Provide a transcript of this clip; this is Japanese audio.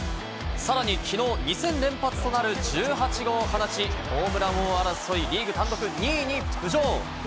さらに昨日、２戦連発となる１８号を放ち、ホームラン王争い、リーグ単独２位に浮上！